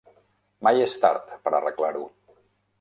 Mai és tard per arreglar-ho